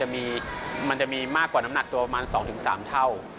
มันจะมีมากกว่าน้ำหนักตัวประมาณ๒๓เท่า